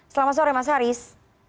selamat sore mas haris